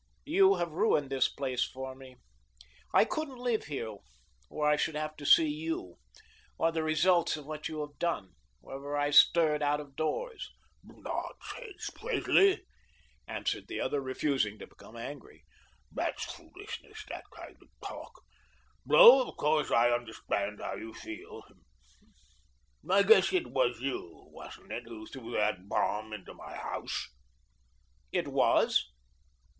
You have ruined this place for me. I couldn't live here where I should have to see you, or the results of what you have done, whenever I stirred out of doors." "Nonsense, Presley," answered the other, refusing to become angry. "That's foolishness, that kind of talk; though, of course, I understand how you feel. I guess it was you, wasn't it, who threw that bomb into my house?" "It was."